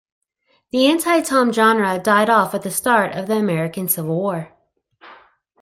The anti-Tom genre died off with the start of the American Civil War.